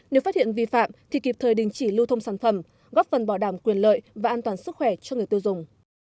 nếu phát hiện vi phạm thì kịp thời đình chỉ lưu thông sản phẩm góp phần bỏ đảm quyền lợi và an toàn sức khỏe cho người tiêu dùng